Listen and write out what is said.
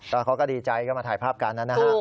ตอนนั้นเขาก็ดีใจก็มาถ่ายภาพกันนั้นนะครับ